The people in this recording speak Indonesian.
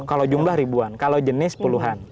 kalau jumlah ribuan kalau jenis puluhan